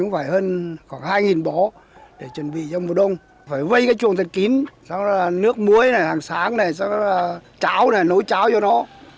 phải vây cái chuồng thật kín nước muối hàng sáng cháo nấu cháo cho nó